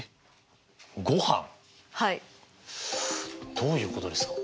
どういうことですか？